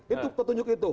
itu petunjuk itu